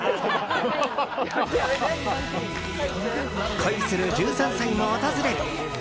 恋する１３歳も訪れる。